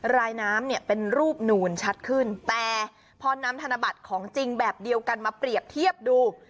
รายน้ำเนี่ยเป็นรูปนูนชัดขึ้นแต่พอนำธนบัตรของจริงแบบเดียวกันมาเปรียบเทียบดู